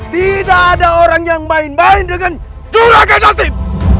tidak ada orang yang main main dengan juragan dasim